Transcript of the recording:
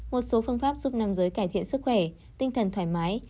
một số phương pháp giúp nam giới cải thiện sức khỏe tinh thần thoải mái